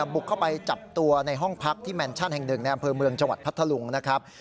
บุกเข้าไปจับตัวในห้องพักที่แมนชั่นแห่งหนึ่งในอำเภอเมืองจังหวัดพัทธลุงนะครับ